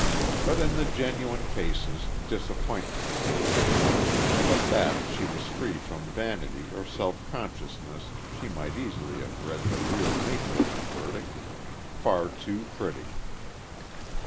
But in the genuine cases disappointment awaited and but that she was free from vanity or self consciousness she might easily have read the real nature of the verdict "Far too pretty."